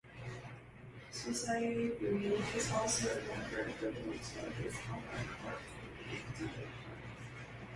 Susaye Greene is also a member of the world's largest online art community, DeviantArt.